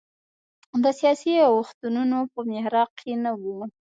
د سیاسي اوښتونونو په محراق کې نه و.